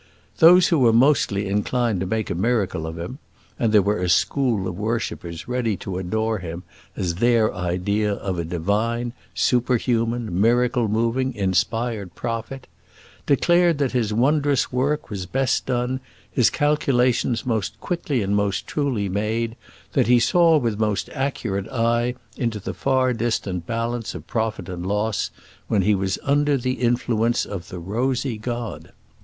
Those who were mostly inclined to make a miracle of him and there was a school of worshippers ready to adore him as their idea of a divine, superhuman, miracle moving, inspired prophet declared that his wondrous work was best done, his calculations most quickly and most truly made, that he saw with most accurate eye into the far distant balance of profit and loss, when he was under the influence of the rosy god.